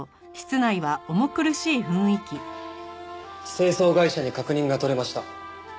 清掃会社に確認が取れました。